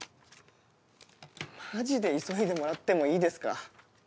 マジで急いでもらってもいいですか？